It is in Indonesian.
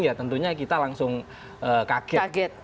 ya tentunya kita langsung kaget